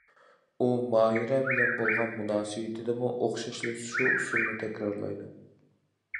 ئۇ ماھىرە بىلەن بولغان مۇناسىۋىتىدىمۇ ئوخشاشلا شۇ ئۇسۇلنى تەكرارلايدۇ.